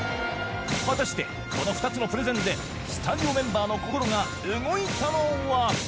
果たしてこの２つのプレゼンでスタジオメンバーの心が動いたのは？